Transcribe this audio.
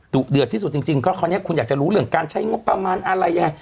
เดือดที่สุดจริงก็คราวนี้คุณอยากจะรู้เรื่องการใช้งบประมาณอะไรยังไง